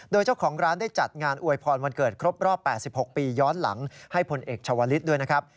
โดยเจ้าของร้านได้จัดงานอวยพรวันเกิดครบรอบ๘๖ปีย้อนหลังให้ผลเอกชาวลิศด้วยนะครับ